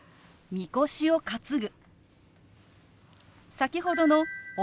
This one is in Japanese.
「みこしを担ぐ」。